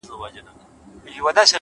د ژوند مانا په ګټورو کارونو کې ده،